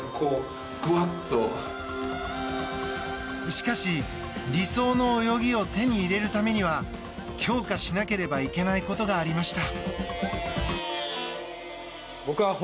しかし理想の泳ぎを手に入れるためには強化しなければいけないことがありました。